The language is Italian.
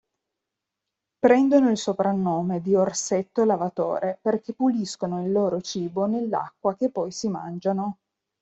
Prendono il soprannome di orsetto lavatore perché puliscono il loro cibo nell'acqua che poi si mangiano.